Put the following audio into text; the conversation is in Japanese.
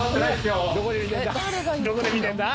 どこで見てんだ？